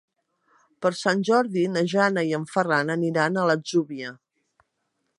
Per Sant Jordi na Jana i en Ferran aniran a l'Atzúbia.